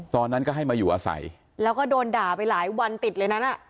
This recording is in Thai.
ตอนนั้นก็ให้มาอยู่อาศัยแล้วก็โดนด่าไปหลายวันติดเลยนั้นอ่ะ